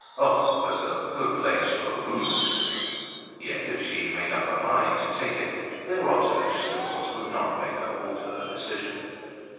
Oh! it was a good place for rheumatism. Yet, if she had made up her mind to take it, their observations, of course, would not make her alter her decision.